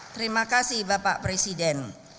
terima kasih bapak presiden